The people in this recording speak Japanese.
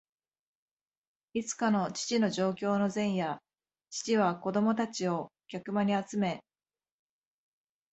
いつかの父の上京の前夜、父は子供たちを客間に集め、